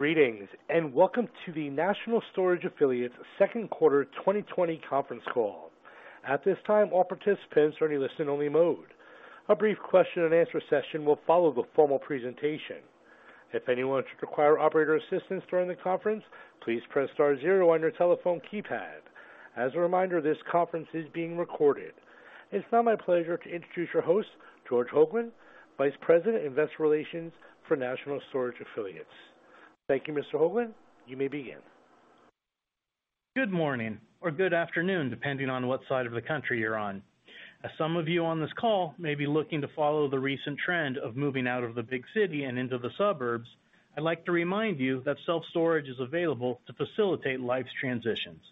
Greetings, and welcome to the National Storage Affiliates second quarter 2020 conference call. At this time, all participants are in listen-only mode. A brief question-and-answer session will follow the formal presentation. If anyone should require operator assistance during the conference, please press star zero on your telephone keypad. As a reminder, this conference is being recorded. It's now my pleasure to introduce your host, George Hoglund, Vice President of Investor Relations for National Storage Affiliates. Thank you, Mr. Hoglund. You may begin. Good morning, or good afternoon, depending on what side of the country you're on. As some of you on this call may be looking to follow the recent trend of moving out of the big city and into the suburbs, I'd like to remind you that self-storage is available to facilitate life's transitions.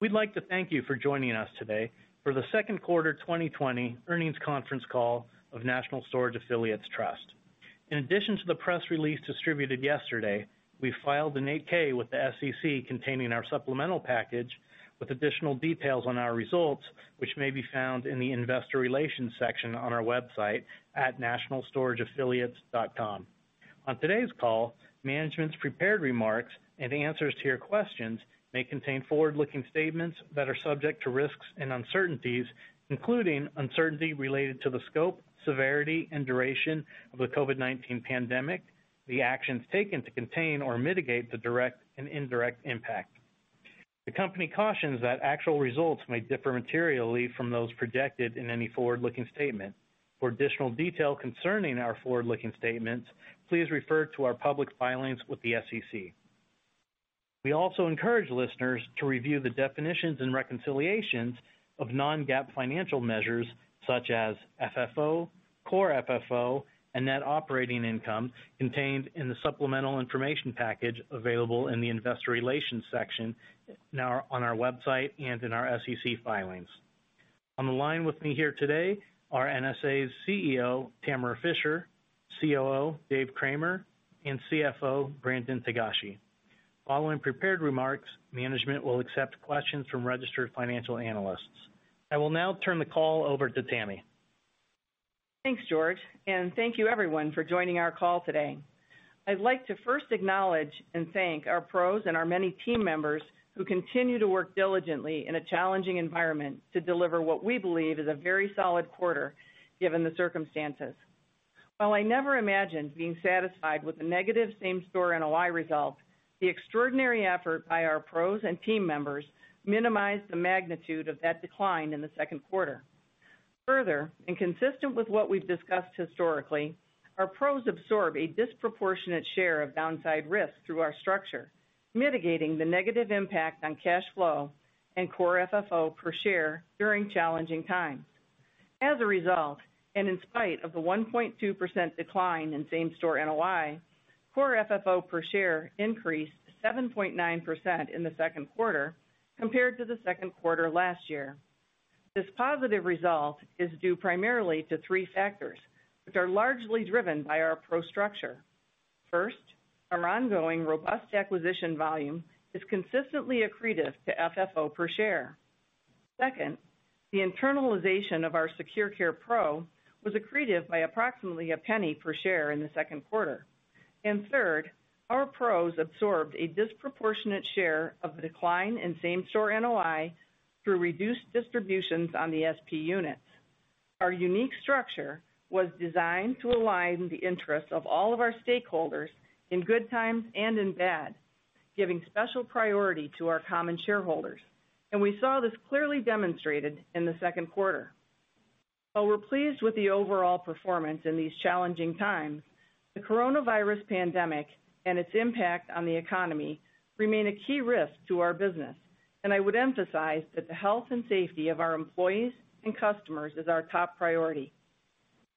We'd like to thank you for joining us today for the second quarter 2020 earnings conference call of National Storage Affiliates Trust. In addition to the press release distributed yesterday, we filed an 8-K with the SEC containing our supplemental package with additional details on our results, which may be found in the investor relations section on our website at nationalstorageaffiliates.com. On today's call, management's prepared remarks and answers to your questions may contain forward-looking statements that are subject to risks and uncertainties, including uncertainty related to the scope, severity, and duration of the COVID-19 pandemic, the actions taken to contain or mitigate the direct and indirect impact. The company cautions that actual results may differ materially from those projected in any forward-looking statement. For additional detail concerning our forward-looking statements, please refer to our public filings with the SEC. We also encourage listeners to review the definitions and reconciliations of non-GAAP financial measures such as FFO, Core FFO, and net operating income contained in the supplemental information package available in the investor relations section on our website and in our SEC filings. On the line with me here today are NSA's CEO, Tamara Fischer, COO, Dave Cramer, and CFO, Brandon Togashi. Following prepared remarks, management will accept questions from registered financial analysts. I will now turn the call over to Tammy. Thanks, George, and thank you everyone for joining our call today. I'd like to first acknowledge and thank our PROs and our many team members who continue to work diligently in a challenging environment to deliver what we believe is a very solid quarter, given the circumstances. While I never imagined being satisfied with a negative same-store NOI result, the extraordinary effort by our PROs and team members minimized the magnitude of that decline in the second quarter. Further, consistent with what we've discussed historically, our PROs absorb a disproportionate share of downside risk through our structure, mitigating the negative impact on cash flow and Core FFO per share during challenging times. As a result, in spite of the 1.2% decline in same-store NOI, Core FFO per share increased 7.9% in the second quarter compared to the second quarter last year. This positive result is due primarily to three factors, which are largely driven by our PRO structure. First, our ongoing robust acquisition volume is consistently accretive to FFO per share. Second, the internalization of our SecurCare PRO was accretive by approximately $0.01 per share in the second quarter. Third, our PROs absorbed a disproportionate share of the decline in same-store NOI through reduced distributions on the SP units. Our unique structure was designed to align the interests of all of our stakeholders in good times and in bad, giving special priority to our common shareholders. We saw this clearly demonstrated in the second quarter. While we're pleased with the overall performance in these challenging times, the coronavirus pandemic and its impact on the economy remain a key risk to our business, and I would emphasize that the health and safety of our employees and customers is our top priority.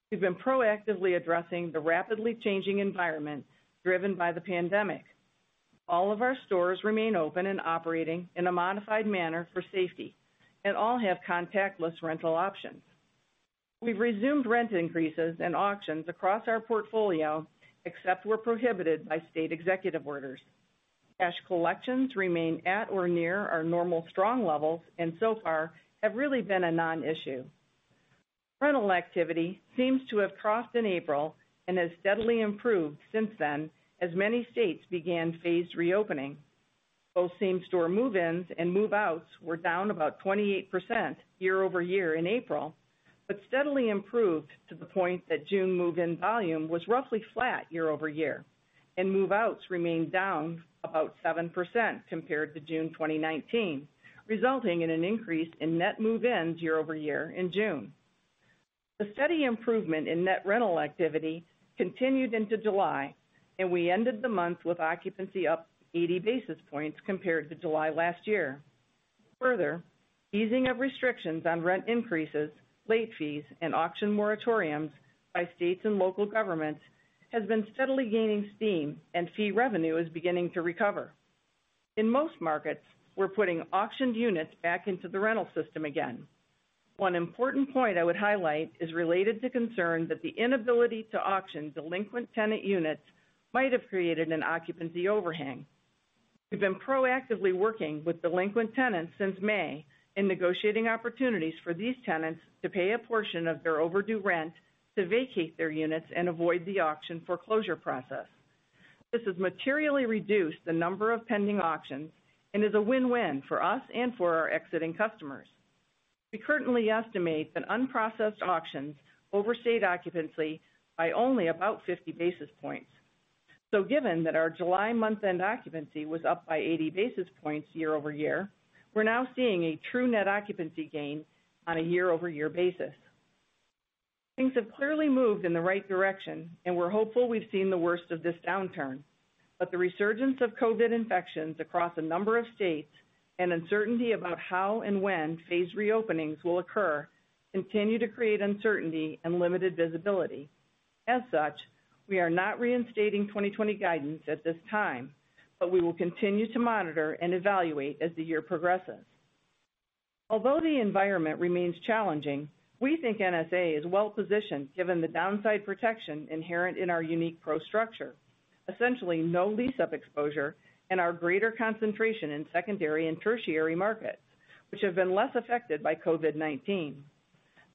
We've been proactively addressing the rapidly changing environment driven by the pandemic. All of our stores remain open and operating in a modified manner for safety and all have contactless rental options. We've resumed rent increases and auctions across our portfolio, except where prohibited by state executive orders. Cash collections remain at or near our normal strong levels and so far have really been a non-issue. Rental activity seems to have crossed in April and has steadily improved since then as many states began phased reopening. Both same-store move-ins and move-outs were down about 28% year-over-year in April, but steadily improved to the point that June move-in volume was roughly flat year-over-year, and move-outs remained down about 7% compared to June 2019, resulting in an increase in net move-ins year-over-year in June. Easing of restrictions on rent increases, late fees, and auction moratoriums by states and local governments has been steadily gaining steam, and fee revenue is beginning to recover. In most markets, we're putting auctioned units back into the rental system again. One important point I would highlight is related to concern that the inability to auction delinquent tenant units might have created an occupancy overhang. We've been proactively working with delinquent tenants since May and negotiating opportunities for these tenants to pay a portion of their overdue rent to vacate their units and avoid the auction foreclosure process. This has materially reduced the number of pending auctions and is a win-win for us and for our exiting customers. We currently estimate that unprocessed auctions overstate occupancy by only about 50 basis points. Given that our July month-end occupancy was up by 80 basis points year-over-year, we're now seeing a true net occupancy gain on a year-over-year basis. Things have clearly moved in the right direction, and we're hopeful we've seen the worst of this downturn. The resurgence of COVID infections across a number of states and uncertainty about how and when phase reopenings will occur continue to create uncertainty and limited visibility. As such, we are not reinstating 2020 guidance at this time, but we will continue to monitor and evaluate as the year progresses. Although the environment remains challenging, we think NSA is well-positioned given the downside protection inherent in our unique PRO structure. Essentially no lease-up exposure and our greater concentration in secondary and tertiary markets, which have been less affected by COVID-19.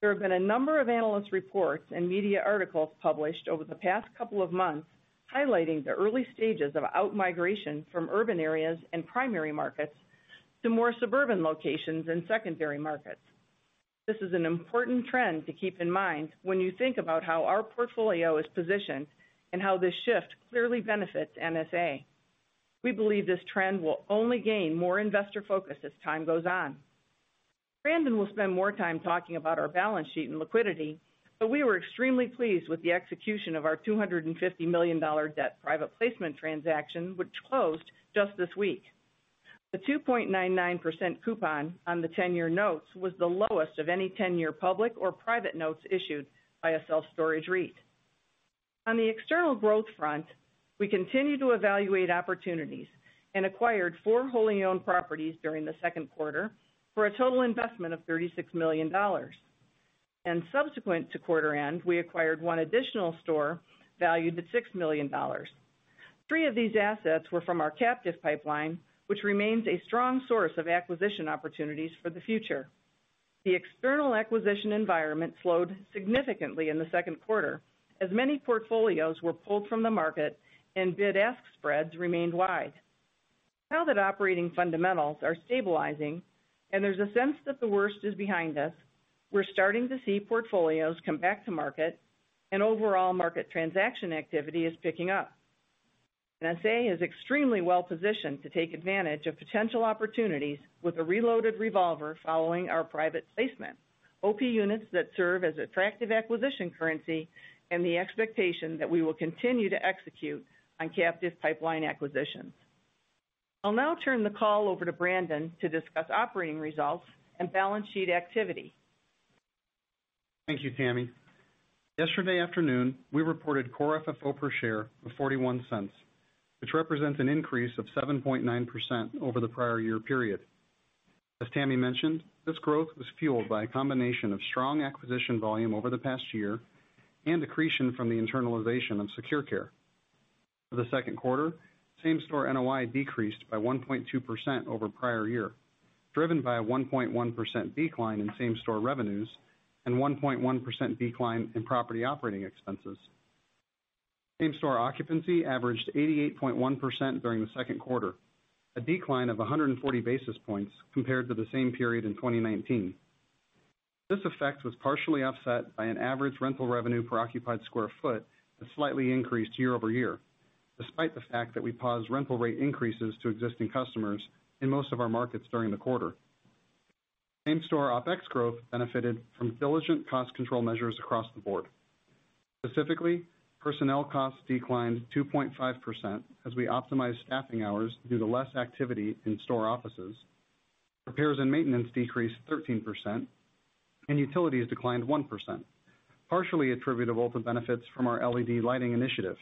There have been a number of analyst reports and media articles published over the past couple of months highlighting the early stages of outmigration from urban areas and primary markets to more suburban locations and secondary markets. This is an important trend to keep in mind when you think about how our portfolio is positioned and how this shift clearly benefits NSA. We believe this trend will only gain more investor focus as time goes on. Brandon will spend more time talking about our balance sheet and liquidity, but we were extremely pleased with the execution of our $250 million debt private placement transaction, which closed just this week. The 2.99% coupon on the 10-year notes was the lowest of any 10-year public or private notes issued by a self-storage REIT. On the external growth front, we continue to evaluate opportunities and acquired four wholly owned properties during the second quarter for a total investment of $36 million. Subsequent to quarter end, we acquired one additional store valued at $6 million. Three of these assets were from our captive pipeline, which remains a strong source of acquisition opportunities for the future. The external acquisition environment slowed significantly in the second quarter as many portfolios were pulled from the market and bid-ask spreads remained wide. Now that operating fundamentals are stabilizing and there's a sense that the worst is behind us, we're starting to see portfolios come back to market and overall market transaction activity is picking up. NSA is extremely well-positioned to take advantage of potential opportunities with a reloaded revolver following our private placement. OP units that serve as attractive acquisition currency and the expectation that we will continue to execute on captive pipeline acquisitions. I'll now turn the call over to Brandon to discuss operating results and balance sheet activity. Thank you, Tammy. Yesterday afternoon, we reported Core FFO per share of $0.41, which represents an increase of 7.9% over the prior year period. As Tammy mentioned, this growth was fueled by a combination of strong acquisition volume over the past year and accretion from the internalization of SecurCare. For the second quarter, same store NOI decreased by 1.2% over prior year, driven by a 1.1% decline in same store revenues and 1.1% decline in property operating expenses. Same store occupancy averaged 88.1% during the second quarter, a decline of 140 basis points compared to the same period in 2019. This effect was partially offset by an average rental revenue per occupied square foot that slightly increased year-over-year, despite the fact that we paused rental rate increases to existing customers in most of our markets during the quarter. Same store OpEx growth benefited from diligent cost control measures across the board. Specifically, personnel costs declined 2.5% as we optimized staffing hours due to less activity in store offices. Repairs and maintenance decreased 13% and utilities declined 1%, partially attributable to benefits from our LED lighting initiative.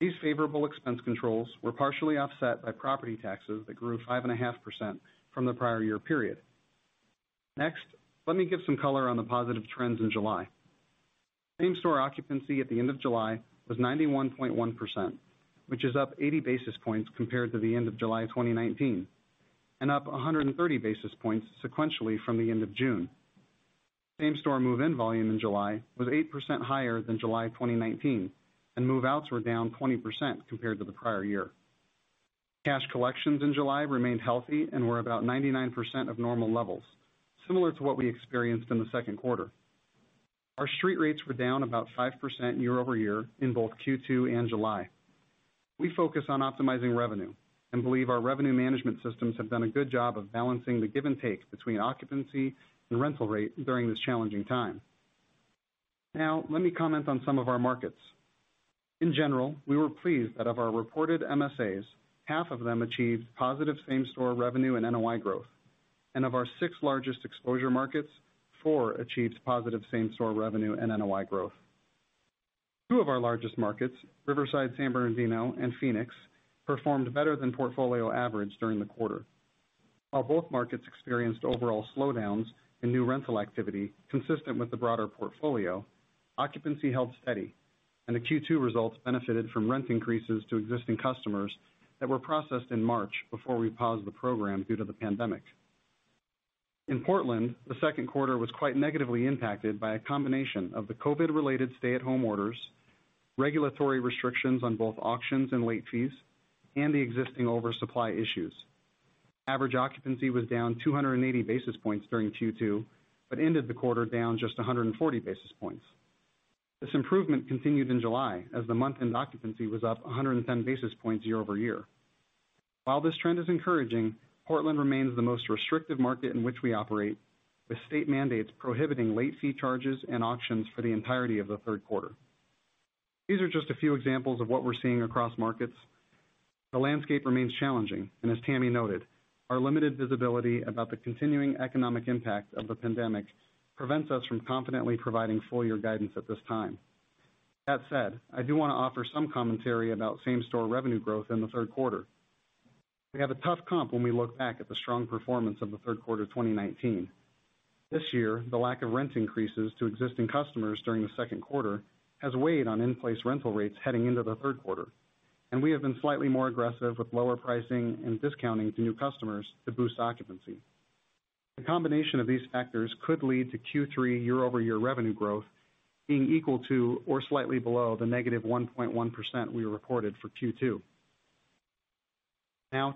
These favorable expense controls were partially offset by property taxes that grew 5.5% from the prior year period. Let me give some color on the positive trends in July. Same store occupancy at the end of July was 91.1%, which is up 80 basis points compared to the end of July 2019, and up 130 basis points sequentially from the end of June. Same store move-in volume in July was 8% higher than July 2019, and move-outs were down 20% compared to the prior year. Cash collections in July remained healthy and were about 99% of normal levels, similar to what we experienced in the second quarter. Our street rates were down about 5% year-over-year in both Q2 and July. We focus on optimizing revenue and believe our revenue management systems have done a good job of balancing the give and take between occupancy and rental rate during this challenging time. Now, let me comment on some of our markets. In general, we were pleased that of our reported MSAs, half of them achieved positive same store revenue and NOI growth. Of our six largest exposure markets, four achieved positive same store revenue and NOI growth. Two of our largest markets, Riverside, San Bernardino and Phoenix, performed better than portfolio average during the quarter. While both markets experienced overall slowdowns in new rental activity consistent with the broader portfolio, occupancy held steady, and the Q2 results benefited from rent increases to existing customers that were processed in March before we paused the program due to the pandemic. In Portland, the second quarter was quite negatively impacted by a combination of the COVID-related stay-at-home orders, regulatory restrictions on both auctions and late fees, and the existing oversupply issues. Average occupancy was down 280 basis points during Q2, but ended the quarter down just 140 basis points. This improvement continued in July as the month-end occupancy was up 110 basis points year-over-year. While this trend is encouraging, Portland remains the most restrictive market in which we operate, with state mandates prohibiting late fee charges and auctions for the entirety of the third quarter. These are just a few examples of what we're seeing across markets. The landscape remains challenging, and as Tammy noted, our limited visibility about the continuing economic impact of the pandemic prevents us from confidently providing full-year guidance at this time. That said, I do want to offer some commentary about same-store revenue growth in the third quarter. We have a tough comp when we look back at the strong performance of the third quarter 2019. This year, the lack of rent increases to existing customers during the second quarter has weighed on in-place rental rates heading into the third quarter, and we have been slightly more aggressive with lower pricing and discounting to new customers to boost occupancy. The combination of these factors could lead to Q3 year-over-year revenue growth being equal to or slightly below the -1.1% we reported for Q2.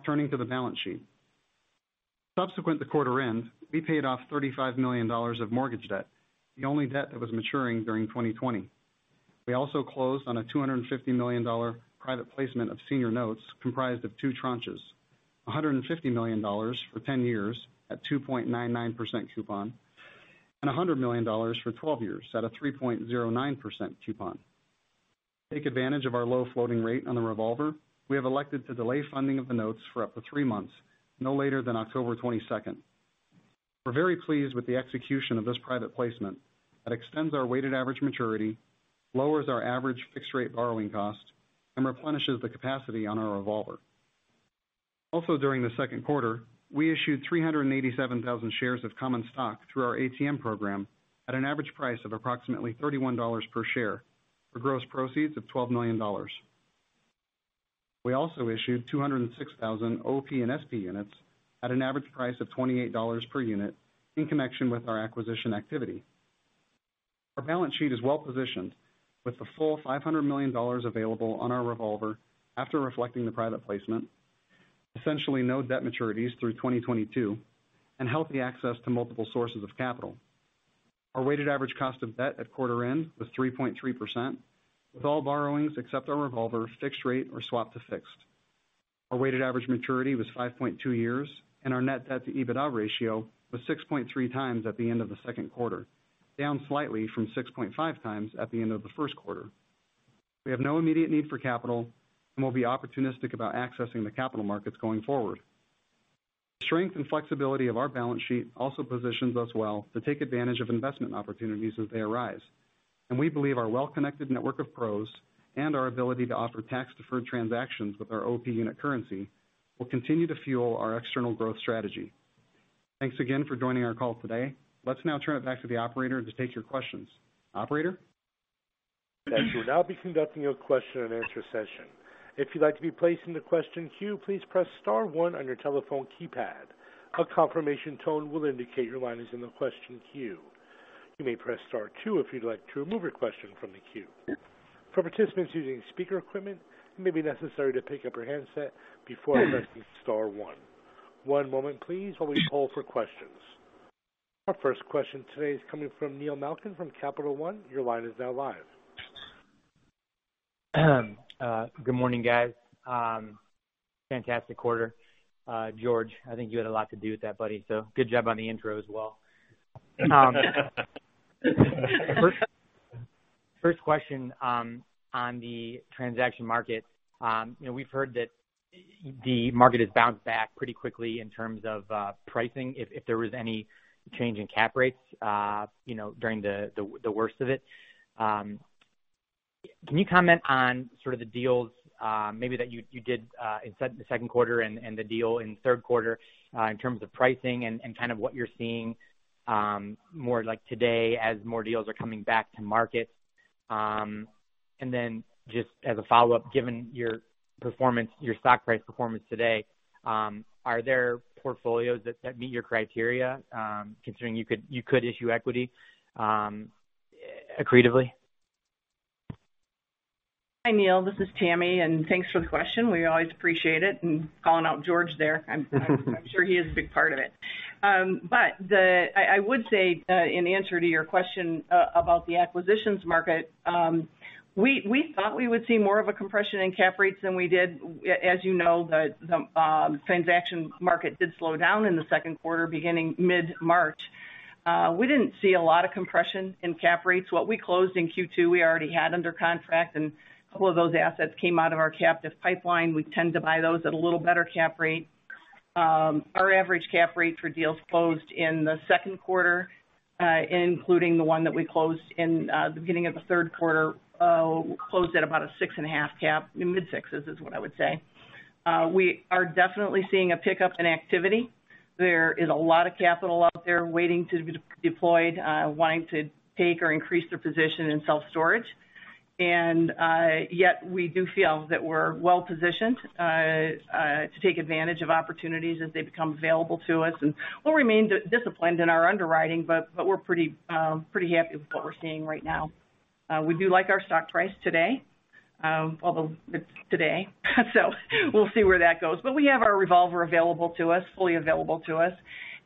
Turning to the balance sheet. Subsequent to quarter end, we paid off $35 million of mortgage debt, the only debt that was maturing during 2020. We also closed on a $250 million private placement of senior notes comprised of two tranches: $150 million for 10 years at 2.99% coupon and $100 million for 12 years at a 3.09% coupon. To take advantage of our low floating rate on the revolver, we have elected to delay funding of the notes for up to three months, no later than October 22nd. We're very pleased with the execution of this private placement that extends our weighted average maturity, lowers our average fixed rate borrowing cost, and replenishes the capacity on our revolver. Also, during the second quarter, we issued 387,000 shares of common stock through our ATM program at an average price of approximately $31 per share for gross proceeds of $12 million. We also issued 206,000 OP and SP units at an average price of $28 per unit in connection with our acquisition activity. Our balance sheet is well positioned, with the full $500 million available on our revolver after reflecting the private placement. Essentially no debt maturities through 2022, healthy access to multiple sources of capital. Our weighted average cost of debt at quarter end was 3.3%, with all borrowings except our revolver fixed rate or swap to fixed. Our weighted average maturity was 5.2 years, our net debt to EBITDA ratio was 6.3 times at the end of the second quarter, down slightly from 6.5 times at the end of the first quarter. We have no immediate need for capital and will be opportunistic about accessing the capital markets going forward. The strength and flexibility of our balance sheet also positions us well to take advantage of investment opportunities as they arise. We believe our well-connected network of PROs and our ability to offer tax-deferred transactions with our OP unit currency will continue to fuel our external growth strategy. Thanks again for joining our call today. Let's now turn it back to the Operator to take your questions. Operator? Thank you. Our first question today is coming from Neil Malkin from Capital One. Your line is now live. Good morning, guys. Fantastic quarter. George, I think you had a lot to do with that, buddy, so good job on the intro as well. First question on the transaction market. We've heard that the market has bounced back pretty quickly in terms of pricing if there was any change in cap rates during the worst of it. Can you comment on sort of the deals maybe that you did in the second quarter and the deal in the third quarter in terms of pricing and kind of what you're seeing more like today as more deals are coming back to market? Then just as a follow-up, given your stock price performance today, are there portfolios that meet your criteria, considering you could issue equity accretively? Hi, Neil. This is Tammy, and thanks for the question. We always appreciate it, and calling out George there. I'm sure he is a big part of it. I would say, in answer to your question about the acquisitions market, we thought we would see more of a compression in cap rates than we did. As you know, the transaction market did slow down in the second quarter, beginning mid-March. We didn't see a lot of compression in cap rates. What we closed in Q2, we already had under contract, and a couple of those assets came out of our captive pipeline. We tend to buy those at a little better cap rate. Our average cap rate for deals closed in the second quarter, including the one that we closed in the beginning of the third quarter, closed at about a 6.5 cap. Mid-sixes is what I would say. We are definitely seeing a pickup in activity. There is a lot of capital out there waiting to be deployed, wanting to take or increase their position in self-storage. Yet we do feel that we're well-positioned to take advantage of opportunities as they become available to us, and we'll remain disciplined in our underwriting, but we're pretty happy with what we're seeing right now. We do like our stock price today. Although it's today, so we'll see where that goes. We have our revolver available to us, fully available to us.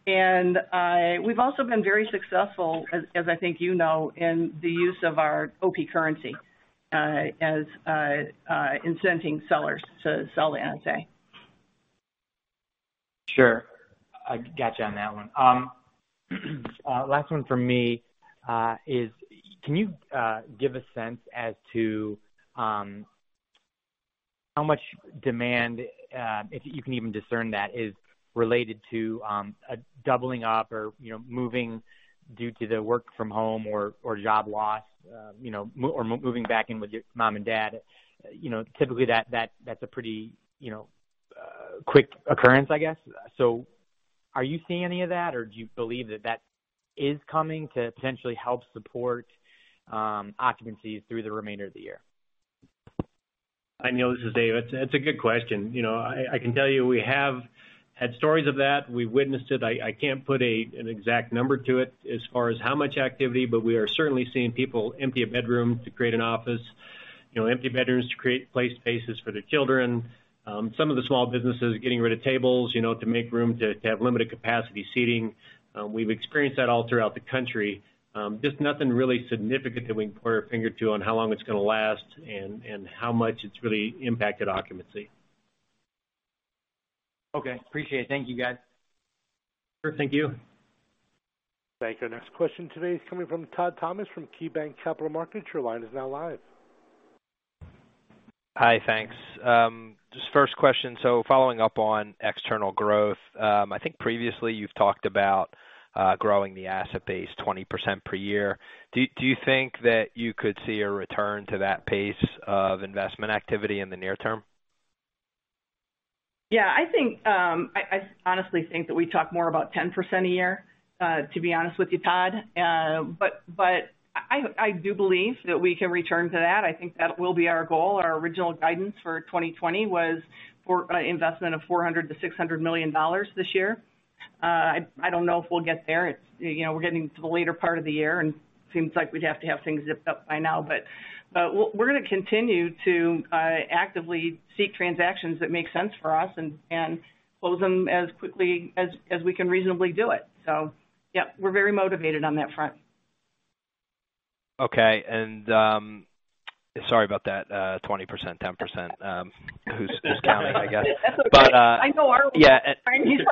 We've also been very successful as I think you know, in the use of our OP currency as incenting sellers to sell to NSA. Sure. I got you on that one. Last one from me is can you give a sense as to how much demand, if you can even discern that, is related to a doubling up or moving due to the work from home or job loss, or moving back in with your mom and dad? Typically that's a pretty quick occurrence, I guess. Are you seeing any of that, or do you believe that that is coming to potentially help support occupancies through the remainder of the year? Neil, this is Dave. It's a good question. I can tell you we have had stories of that. We've witnessed it. I can't put an exact number to it as far as how much activity, but we are certainly seeing people empty a bedroom to create an office, empty bedrooms to create play spaces for their children. Some of the small businesses are getting rid of tables to make room to have limited capacity seating. We've experienced that all throughout the country. Just nothing really significant that we can point our finger to on how long it's going to last and how much it's really impacted occupancy. Okay. Appreciate it. Thank you, guys. Sure. Thank you. Thank you. Our next question today is coming from Todd Thomas from KeyBanc Capital Markets. Your line is now live. Hi, thanks. Just first question. Following up on external growth, I think previously you've talked about growing the asset base 20% per year. Do you think that you could see a return to that pace of investment activity in the near term? I honestly think that we talk more about 10% a year, to be honest with you, Todd. I do believe that we can return to that. I think that will be our goal. Our original guidance for 2020 was for investment of $400 million-$600 million this year. I don't know if we'll get there. We're getting to the later part of the year, and seems like we'd have to have things zipped up by now. We're going to continue to actively seek transactions that make sense for us and close them as quickly as we can reasonably do it. We're very motivated on that front. Okay. Sorry about that, 20%, 10%. Who's counting, I guess. That's okay. I know our numbers.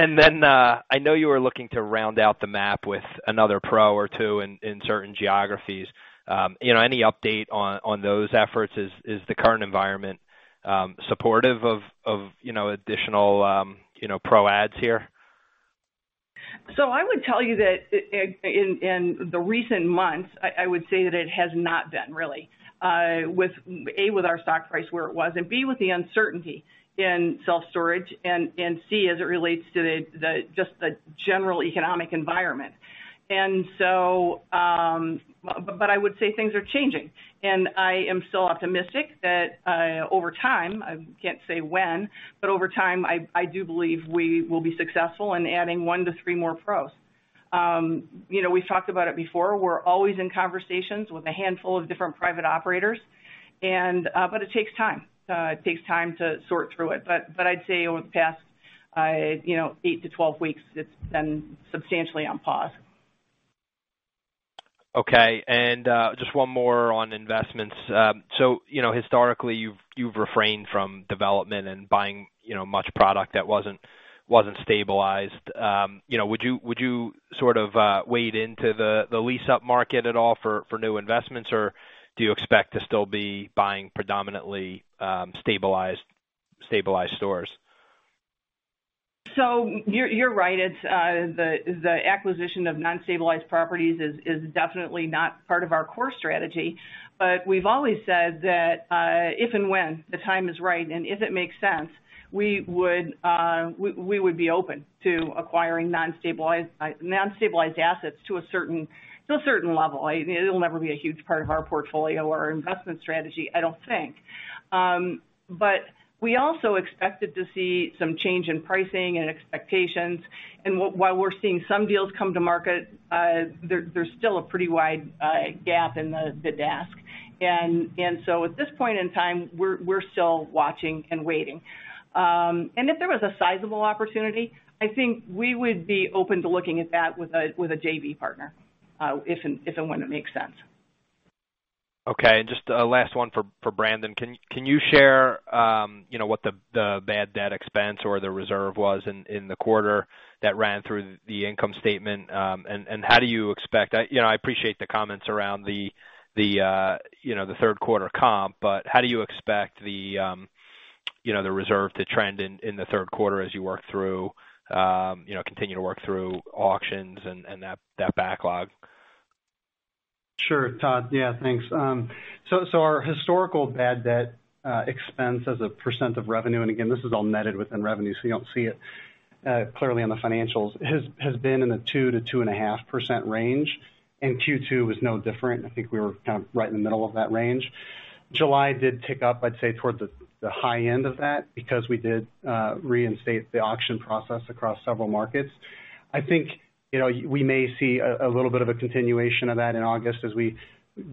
I know you were looking to round out the map with another pro or two in certain geographies. Any update on those efforts? Is the current environment supportive of additional pro adds here? I would tell you that in the recent months, I would say that it has not been, really, A, with our stock price where it was, and B, with the uncertainty in self-storage, and C, as it relates to just the general economic environment. I would say things are changing, and I am still optimistic that over time, I can't say when, but over time, I do believe we will be successful in adding one to three more PROs. We've talked about it before. We're always in conversations with a handful of different private operators. It takes time. It takes time to sort through it. I'd say over the past 8-12 weeks, it's been substantially on pause. Just one more on investments. Historically you've refrained from development and buying much product that wasn't stabilized. Would you sort of wade into the lease-up market at all for new investments, or do you expect to still be buying predominantly stabilized stores? You're right. The acquisition of non-stabilized properties is definitely not part of our core strategy. We've always said that if and when the time is right and if it makes sense, we would be open to acquiring non-stabilized assets to a certain level. It'll never be a huge part of our portfolio or our investment strategy, I don't think. We also expected to see some change in pricing and expectations. While we're seeing some deals come to market, there's still a pretty wide gap in the ask. At this point in time, we're still watching and waiting. If there was a sizable opportunity, I think we would be open to looking at that with a JV partner, if and when it makes sense. Okay, just a last one for Brandon. Can you share what the bad debt expense or the reserve was in the quarter that ran through the income statement? How do you expect I appreciate the comments around the third quarter comp, how do you expect the reserve, the trend in the third quarter as you continue to work through auctions and that backlog. Sure, Todd. Yeah, thanks. Our historical bad debt expense as a percent of revenue, again, this is all netted within revenue, so you don't see it clearly on the financials, has been in the 2%-2.5% range. Q2 was no different. I think we were kind of right in the middle of that range. July did tick up, I'd say, towards the high end of that because we did reinstate the auction process across several markets. I think we may see a little bit of a continuation of that in August as we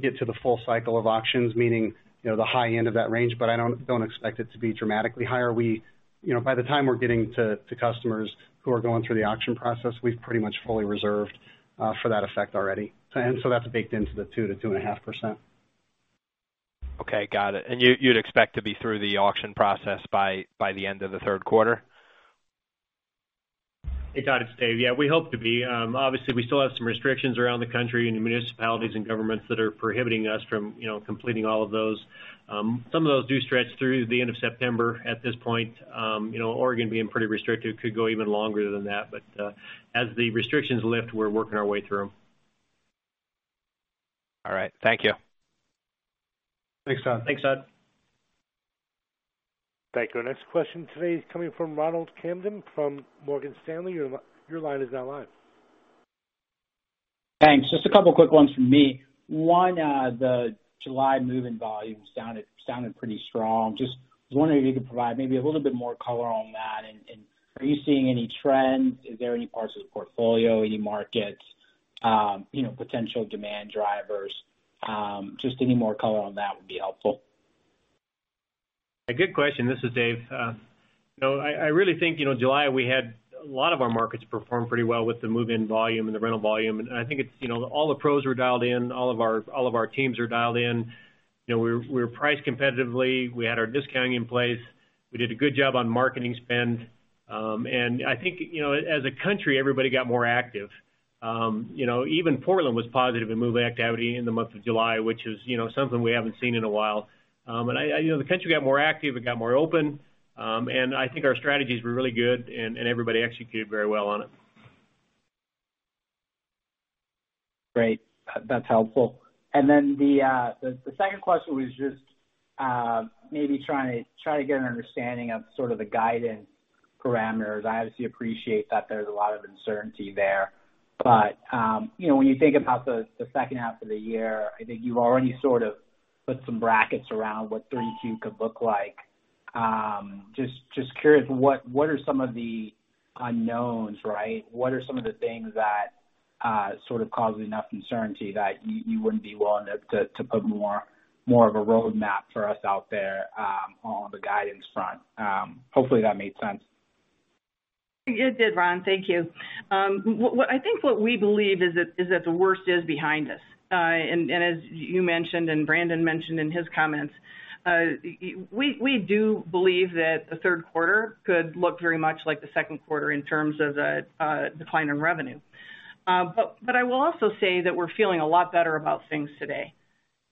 get to the full cycle of auctions, meaning, the high end of that range. I don't expect it to be dramatically higher. By the time we're getting to customers who are going through the auction process, we've pretty much fully reserved for that effect already. That's baked into the 2%-2.5%. Okay. Got it. You'd expect to be through the auction process by the end of the third quarter? Hey, Todd, it's Dave. Yeah, we hope to be. Obviously, we still have some restrictions around the country in the municipalities and governments that are prohibiting us from completing all of those. Some of those do stretch through the end of September at this point. Oregon being pretty restrictive could go even longer than that, as the restrictions lift, we're working our way through. All right. Thank you. Thanks, Todd. Thanks, Todd. Thank you. Our next question today is coming from Ronald Kamdem from Morgan Stanley. Your line is now live. Thanks. Just a couple quick ones from me. One, the July move-in volume sounded pretty strong. Just was wondering if you could provide maybe a little bit more color on that. Are you seeing any trends? Is there any parts of the portfolio, any markets, potential demand drivers? Just any more color on that would be helpful. A good question. This is Dave. I really think, July, we had a lot of our markets perform pretty well with the move-in volume and the rental volume. I think all the PROs were dialed in. All of our teams are dialed in. We're priced competitively. We had our discounting in place. We did a good job on marketing spend. I think, as a country, everybody got more active. Even Portland was positive in move activity in the month of July, which is something we haven't seen in a while. The country got more active. It got more open. I think our strategies were really good, and everybody executed very well on it. Great. That's helpful. The second question was just maybe trying to get an understanding of sort of the guidance parameters. I obviously appreciate that there's a lot of uncertainty there. When you think about the second half of the year, I think you've already sort of put some brackets around what 3Q could look like. Just curious, what are some of the unknowns, right? What are some of the things that sort of cause enough uncertainty that you wouldn't be willing to put more of a roadmap for us out there on the guidance front? Hopefully, that made sense. It did, Ron. Thank you. I think what we believe is that the worst is behind us. As you mentioned and Brandon mentioned in his comments, we do believe that the third quarter could look very much like the second quarter in terms of the decline in revenue. I will also say that we're feeling a lot better about things today.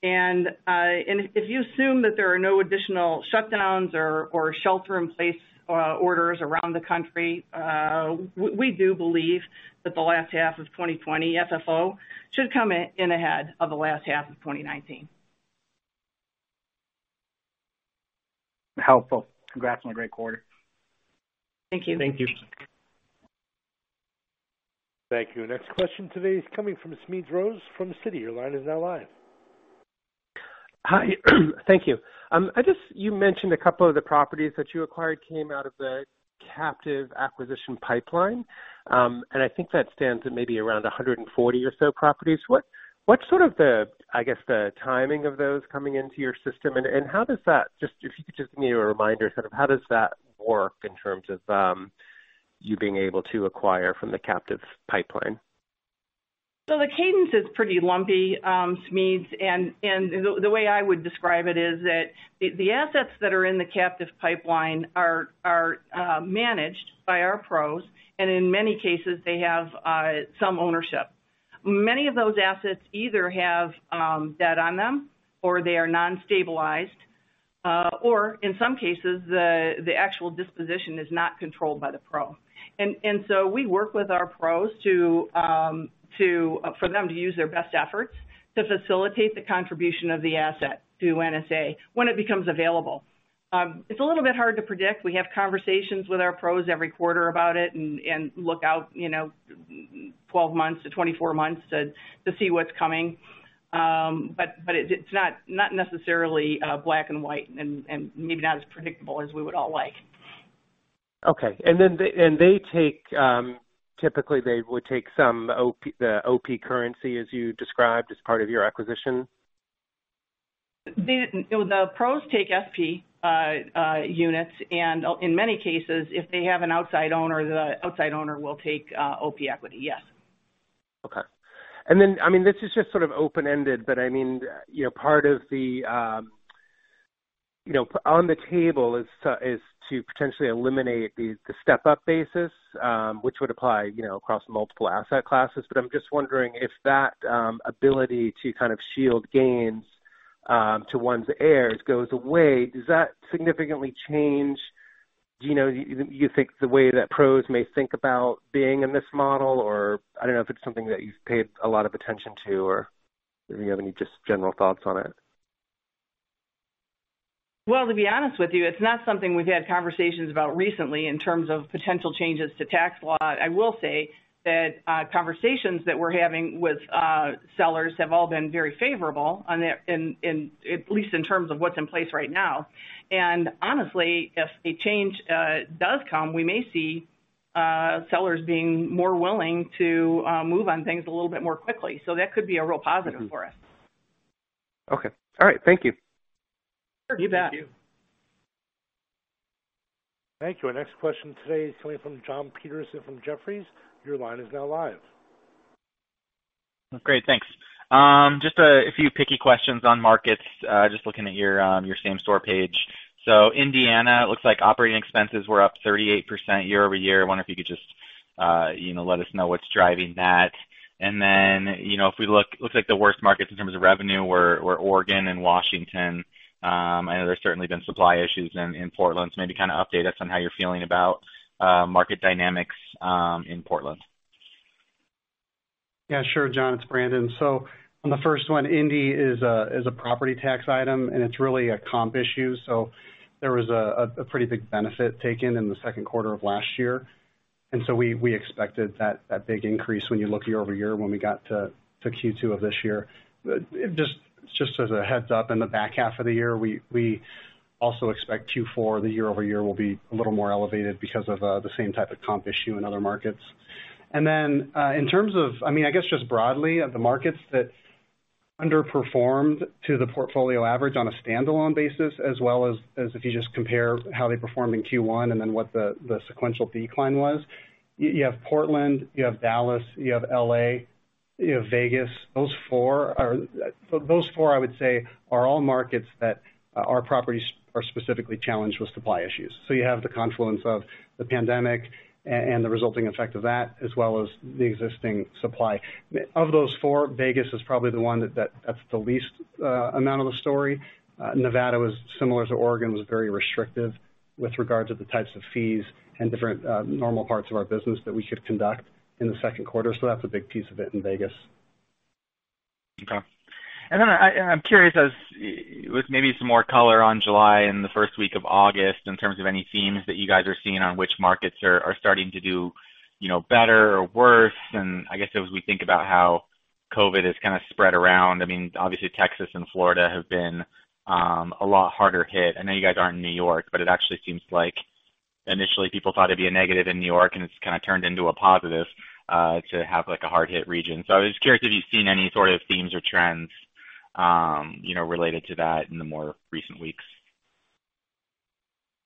If you assume that there are no additional shutdowns or shelter-in-place orders around the country, we do believe that the last half of 2020 FFO should come in ahead of the last half of 2019. Helpful. Congrats on a great quarter. Thank you. Thank you. Thank you. Next question today is coming from Smedes Rose from Citi. Your line is now live. Hi. Thank you. You mentioned a couple of the properties that you acquired came out of the captive acquisition pipeline. I think that stands at maybe around 140 or so properties. What's sort of the timing of those coming into your system, and if you could just give me a reminder, how does that work in terms of you being able to acquire from the captive pipeline? The cadence is pretty lumpy, Smedes. The way I would describe it is that the assets that are in the captive pipeline are managed by our pros, and in many cases, they have some ownership. Many of those assets either have debt on them or they are non-stabilized, or in some cases, the actual disposition is not controlled by the pro. We work with our pros for them to use their best efforts to facilitate the contribution of the asset to NSA when it becomes available. It's a little bit hard to predict. We have conversations with our pros every quarter about it and look out 12 months-24 months to see what's coming. It's not necessarily black and white and maybe not as predictable as we would all like. Okay. Typically they would take some OP units, as you described, as part of your acquisition? The pros take SP units, and in many cases, if they have an outside owner, the outside owner will take OP equity, yes. Okay. This is just sort of open-ended, part of on the table is to potentially eliminate the step-up basis, which would apply across multiple asset classes. I'm just wondering if that ability to kind of shield gains to one's heirs goes away, does that significantly change, do you think the way that PROs may think about being in this model? I don't know if it's something that you've paid a lot of attention to, or if you have any just general thoughts on it. Well, to be honest with you, it's not something we've had conversations about recently in terms of potential changes to tax law. I will say that conversations that we're having with sellers have all been very favorable, at least in terms of what's in place right now. Honestly, if a change does come, we may see sellers being more willing to move on things a little bit more quickly. That could be a real positive for us. Okay. All right. Thank you. Sure. You bet. Thank you. Thank you. Our next question today is coming from Jon Petersen from Jefferies. Your line is now live. Great, thanks. Just a few picky questions on markets. Just looking at your same-store page. Indiana, it looks like operating expenses were up 38% year-over-year. I wonder if you could just let us know what's driving that. It looks like the worst markets in terms of revenue were Oregon and Washington. I know there's certainly been supply issues in Portland. Maybe kind of update us on how you're feeling about market dynamics in Portland. Yeah, sure, Jon, it's Brandon. On the first one, Indiana is a property tax item, and it's really a comp issue. There was a pretty big benefit taken in the second quarter of last year. We expected that big increase when you look year-over-year when we got to Q2 of this year. Just as a heads-up, in the back half of the year, we also expect Q4, the year-over-year will be a little more elevated because of the same type of comp issue in other markets. In terms of, I guess just broadly the markets that underperformed to the portfolio average on a standalone basis, as well as if you just compare how they performed in Q1 and then what the sequential decline was. You have Portland, you have Dallas, you have L.A., you have Vegas. Those four I would say are all markets that our properties are specifically challenged with supply issues. You have the confluence of the pandemic and the resulting effect of that, as well as the existing supply. Of those four, Vegas is probably the one that's the least amount of the story. Nevada was similar to Oregon, was very restrictive with regards to the types of fees and different normal parts of our business that we could conduct in the second quarter. That's a big piece of it in Vegas. Okay. I'm curious as with maybe some more color on July and the first week of August in terms of any themes that you guys are seeing on which markets are starting to do better or worse. I guess as we think about how COVID has kind of spread around, obviously Texas and Florida have been a lot harder hit. It actually seems like initially people thought it'd be a negative in New York, and it's kind of turned into a positive to have a hard-hit region. I was just curious if you've seen any sort of themes or trends related to that in the more recent weeks.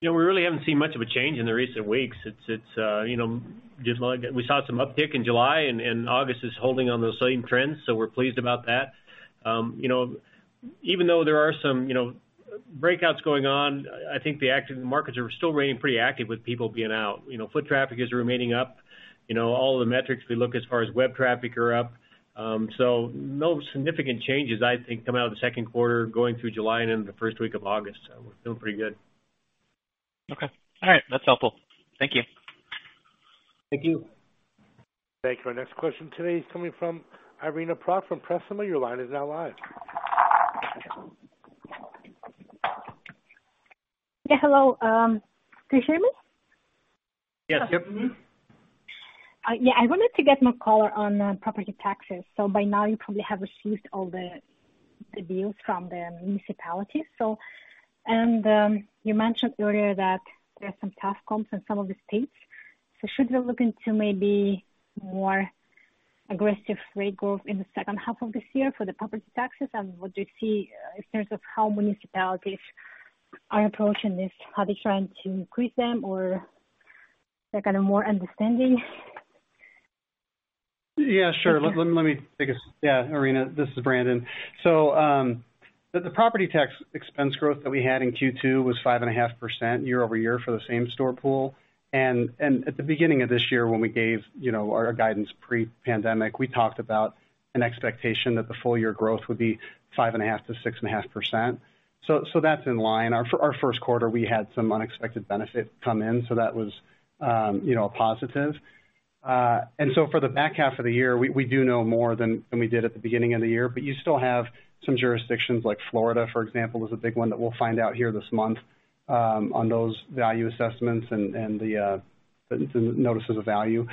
Yeah, we really haven't seen much of a change in the recent weeks. We saw some uptick in July, and August is holding on to those same trends, so we're pleased about that. Even though there are some breakouts going on, I think the markets are still remaining pretty active with people getting out. Foot traffic is remaining up. All the metrics we look as far as web traffic are up. No significant changes, I think, come out of the second quarter going through July and into the first week of August. We're feeling pretty good. Okay. All right. That's helpful. Thank you. Thank you. Thank you. Our next question today is coming from Irina Prokopyeva from Presima. Yeah. Hello. Can you hear me? Yes. Yeah. I wanted to get more color on property taxes. By now you probably have received all the bills from the municipalities. You mentioned earlier that there are some tough comps in some of the states. Should we look into maybe more aggressive rate growth in the second half of this year for the property taxes? What do you see in terms of how municipalities are approaching this? Are they trying to increase them or they're kind of more understanding? Irina, this is Brandon. The property tax expense growth that we had in Q2 was 5.5% year-over-year for the same store pool. At the beginning of this year, when we gave our guidance pre-pandemic, we talked about an expectation that the full-year growth would be 5.5%-6.5%. That's in line. Our first quarter, we had some unexpected benefit come in, so that was a positive. For the back half of the year, we do know more than we did at the beginning of the year, but you still have some jurisdictions like Florida, for example, is a big one that we'll find out here this month on those value assessments and the notices of value.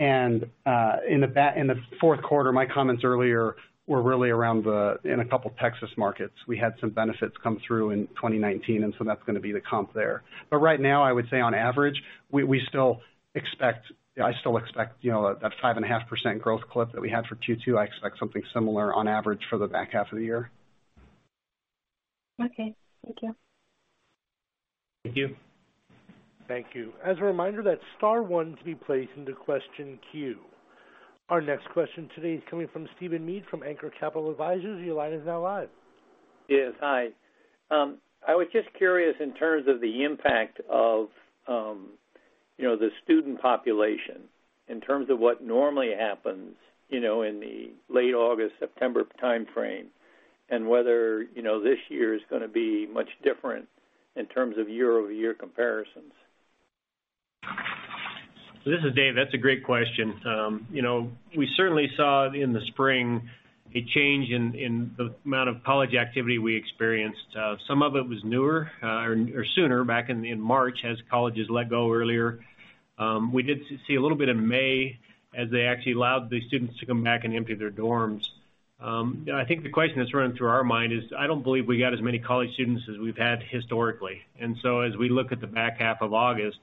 In the fourth quarter, my comments earlier were really around in a couple of Texas markets. We had some benefits come through in 2019. That's going to be the comp there. Right now, I would say on average, I still expect that 5.5% growth clip that we had for Q2. I expect something similar on average for the back half of the year. Okay. Thank you. Thank you. Thank you. As a reminder, that's star one to be placed into question queue. Our next question today is coming from Stephen Mead from Anchor Capital Advisors. Your line is now live. Yes. Hi. I was just curious in terms of the impact of the student population, in terms of what normally happens in the late August, September timeframe, and whether this year is going to be much different in terms of year-over-year comparisons. This is Dave. That's a great question. We certainly saw in the spring a change in the amount of college activity we experienced. Some of it was newer or sooner back in March as colleges let go earlier. We did see a little bit in May as they actually allowed the students to come back and empty their dorms. I think the question that's running through our mind is, I don't believe we got as many college students as we've had historically. As we look at the back half of August,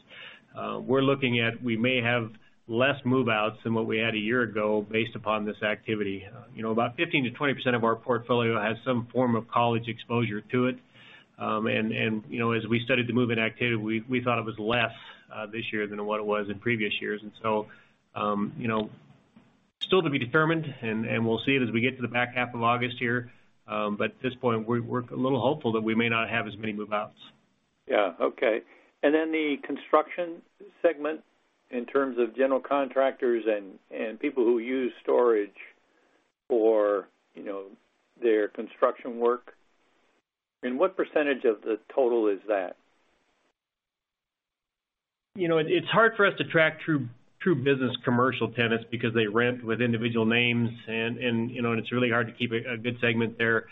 we're looking at, we may have less move-outs than what we had a year ago based upon this activity. About 15%-20% of our portfolio has some form of college exposure to it. As we studied the move-in activity, we thought it was less this year than what it was in previous years. Still to be determined, and we'll see it as we get to the back half of August here. At this point, we're a little hopeful that we may not have as many move-outs. Yeah. Okay. Then the construction segment, in terms of general contractors and people who use storage for their construction work, and what percentage of the total is that? It's hard for us to track true business commercial tenants because they rent with individual names, and it's really hard to keep a good segment there.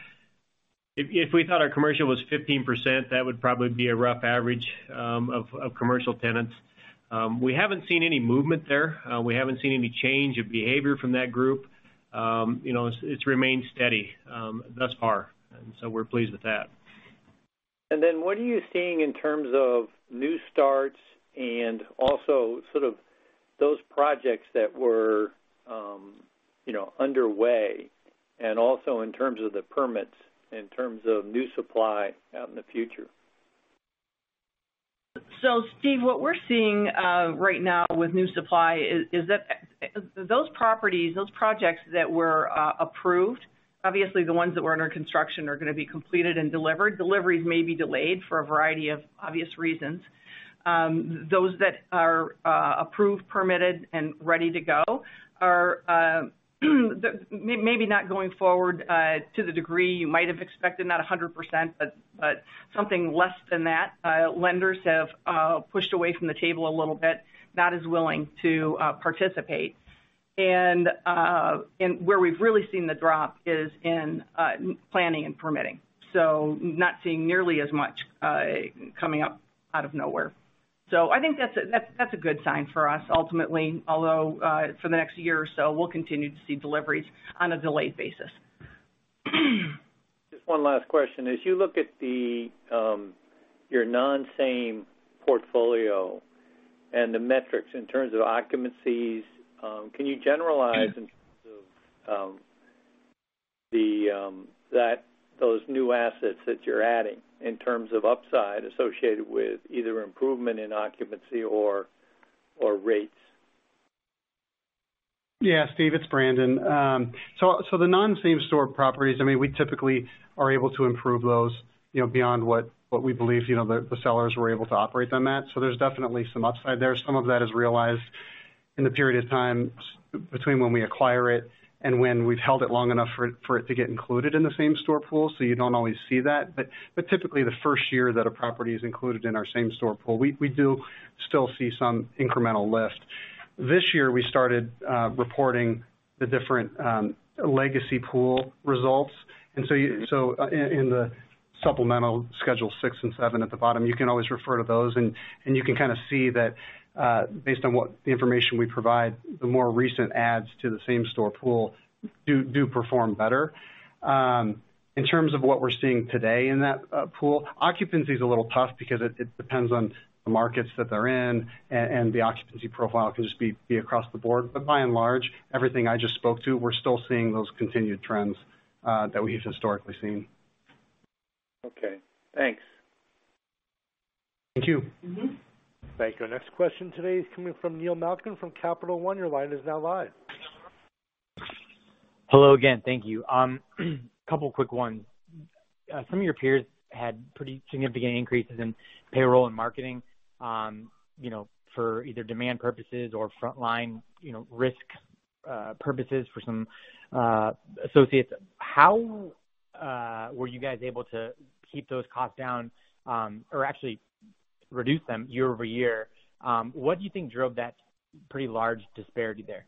If we thought our commercial was 15%, that would probably be a rough average of commercial tenants. We haven't seen any movement there. We haven't seen any change of behavior from that group. It's remained steady thus far, and so we're pleased with that. What are you seeing in terms of new starts and also sort of those projects that were underway, and also in terms of the permits, in terms of new supply out in the future? Steve, what we're seeing right now with new supply is that those properties, those projects that were approved, obviously the ones that were under construction are going to be completed and delivered. Deliveries may be delayed for a variety of obvious reasons. Those that are approved, permitted, and ready to go are maybe not going forward to the degree you might have expected, not 100%, but something less than that. Lenders have pushed away from the table a little bit, not as willing to participate. Where we've really seen the drop is in planning and permitting. Not seeing nearly as much coming up out of nowhere. I think that's a good sign for us ultimately. Although, for the next year or so, we'll continue to see deliveries on a delayed basis. Just one last question. As you look at your non-same portfolio and the metrics in terms of occupancies, can you generalize in terms of those new assets that you're adding in terms of upside associated with either improvement in occupancy or rates? Yeah, Steve, it's Brandon. The non-same-store properties, we typically are able to improve those beyond what we believe the sellers were able to operate them at. There's definitely some upside there. Some of that is realized in the period of time between when we acquire it and when we've held it long enough for it to get included in the same-store pool. You don't always see that, but typically the first year that a property is included in our same-store pool, we do still see some incremental lift. This year, we started reporting the different legacy pool results. In the supplemental Schedule six and seven at the bottom, you can always refer to those, and you can kind of see that, based on what information we provide, the more recent adds to the same-store pool do perform better. In terms of what we're seeing today in that pool, occupancy is a little tough because it depends on the markets that they're in, and the occupancy profile can just be across the board. By and large, everything I just spoke to, we're still seeing those continued trends that we've historically seen. Okay. Thanks. Thank you. Thank you. Our next question today is coming from Neil Malkin from Capital One. Your line is now live. Hello again. Thank you. Couple quick ones. Some of your peers had pretty significant increases in payroll and marketing, for either demand purposes or frontline risk purposes for some associates. How were you guys able to keep those costs down, or actually reduce them year-over-year? What do you think drove that pretty large disparity there?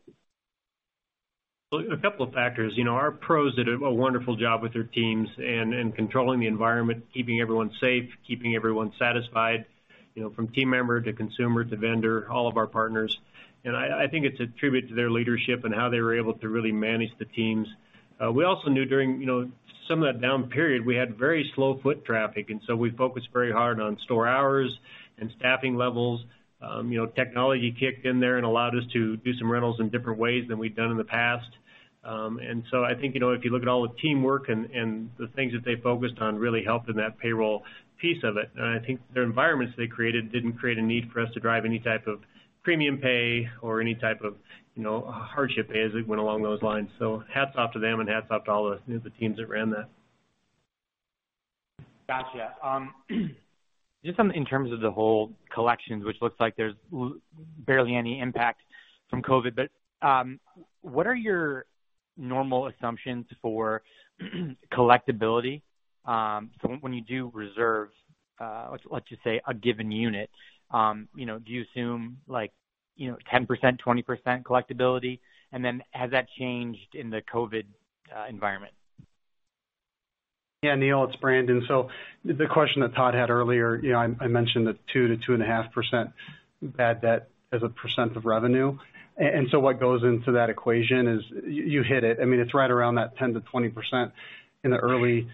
Well, a couple of factors. Our PROs did a wonderful job with their teams and in controlling the environment, keeping everyone safe, keeping everyone satisfied, from team member to consumer to vendor, all of our partners. I think it's attributed to their leadership and how they were able to really manage the teams. We also knew during some of that down period, we had very slow foot traffic. We focused very hard on store hours and staffing levels. Technology kicked in there and allowed us to do some rentals in different ways than we'd done in the past. I think if you look at all the teamwork and the things that they focused on really helped in that payroll piece of it. I think the environments they created didn't create a need for us to drive any type of premium pay or any type of hardship pay as it went along those lines. Hats off to them and hats off to all the teams that ran that. Got you. Just in terms of the whole collections, which looks like there's barely any impact from COVID, what are your normal assumptions for collectibility? When you do reserve, let's just say a given unit, do you assume 10%, 20% collectibility? Has that changed in the COVID environment? Neil, it's Brandon. The question that Todd had earlier, I mentioned the 2%-2.5% bad debt as a percent of revenue. What goes into that equation is you hit it. It's right around that 10%-20% in the early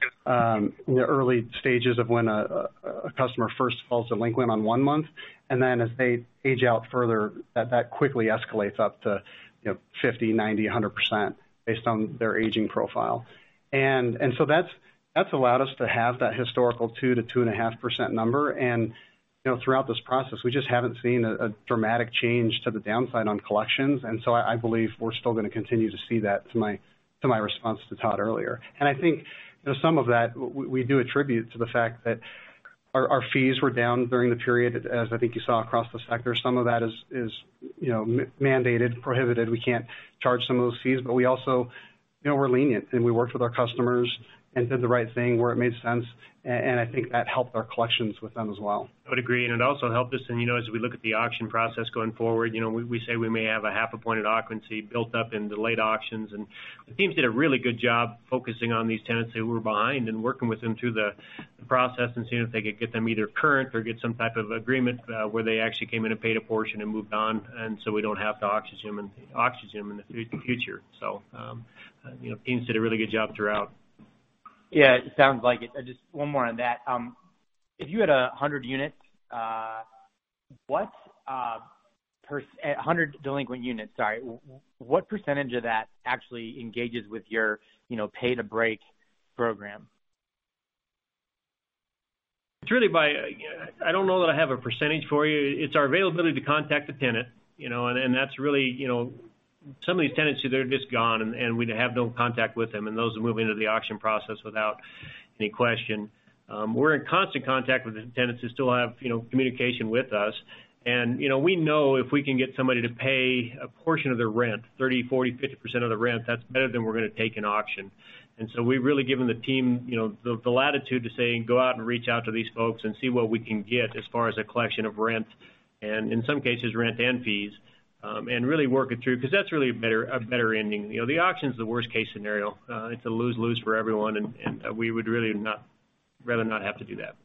stages of when a customer first falls delinquent on one month. Then as they age out further, that quickly escalates up to 50%, 90%, 100% based on their aging profile. That's allowed us to have that historical 2%-2.5% number. Throughout this process, we just haven't seen a dramatic change to the downside on collections. I believe we're still going to continue to see that to my response to Todd earlier. I think some of that we do attribute to the fact that our fees were down during the period, as I think you saw across the sector. Some of that is mandated, prohibited. We can't charge some of those fees. We also, we're lenient, and we worked with our customers and did the right thing where it made sense, and I think that helped our collections with them as well. I would agree. It also helped us and as we look at the auction process going forward, we say we may have a half a point of occupancy built up in delayed auctions, and the teams did a really good job focusing on these tenants that were behind and working with them through the process and seeing if they could get them either current or get some type of agreement where they actually came in and paid a portion and moved on, we don't have to auction them in the future. The teams did a really good job throughout. Yeah, it sounds like it. Just one more on that. If you had 100 units, 100 delinquent units, sorry, what percentage of that actually engages with your Pay to Break Program? I don't know that I have a percentage for you. It's our availability to contact the tenant, and that's really some of these tenants, they're just gone, and we'd have no contact with them, and those will move into the auction process without any question. We're in constant contact with the tenants that still have communication with us. We know if we can get somebody to pay a portion of their rent, 30%, 40%, 50% of the rent, that's better than we're going to take in auction. We've really given the team the latitude to say, Go out and reach out to these folks and see what we can get as far as a collection of rent and, in some cases, rent and fees, and really work it through, because that's really a better ending. The auction's the worst-case scenario. It's a lose-lose for everyone, and we would really rather not have to do that.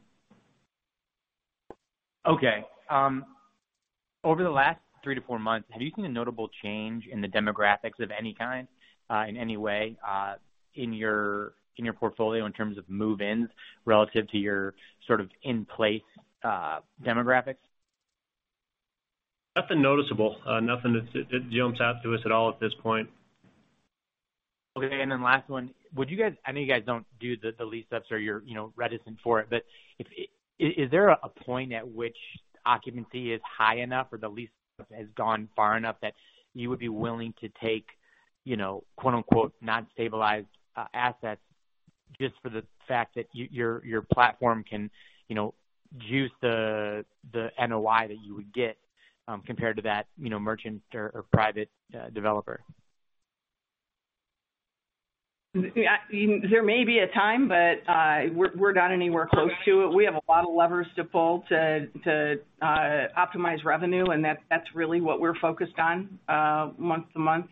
Over the last three to four months, have you seen a notable change in the demographics of any kind in any way in your portfolio in terms of move-ins relative to your sort of in-place demographics? Nothing noticeable. Nothing that jumps out to us at all at this point. Okay. Last one. I know you guys don't do the lease-ups or you're reticent for it, is there a point at which occupancy is high enough or the lease-up has gone far enough that you would be willing to take, quote unquote, non-stabilized assets just for the fact that your platform can juice the NOI that you would get compared to that merchant or private developer? There may be a time, but we're not anywhere close to it. We have a lot of levers to pull to optimize revenue, and that's really what we're focused on month-to-month.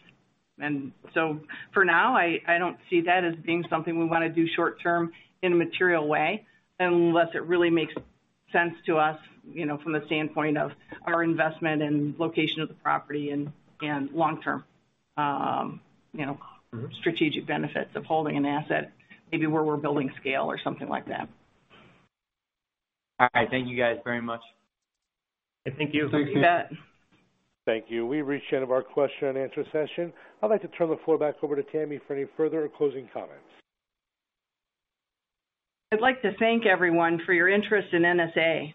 For now, I don't see that as being something we want to do short-term in a material way, unless it really makes sense to us from the standpoint of our investment and location of the property and long-term strategic benefits of holding an asset, maybe where we're building scale or something like that. All right. Thank you guys very much. Thank you. Thanks, Neil. Thank you. We've reached the end of our question-and-answer session. I'd like to turn the floor back over to Tammy for any further closing comments. I'd like to thank everyone for your interest in NSA.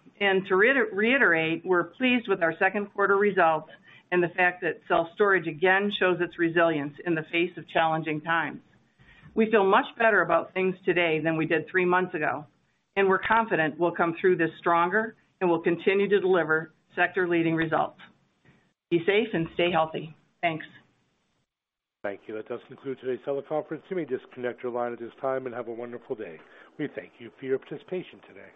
To reiterate, we're pleased with our second quarter results and the fact that self-storage again shows its resilience in the face of challenging times. We feel much better about things today than we did three months ago, and we're confident we'll come through this stronger and will continue to deliver sector-leading results. Be safe and stay healthy. Thanks. Thank you. That does conclude today's teleconference. You may disconnect your line at this time, and have a wonderful day. We thank you for your participation today.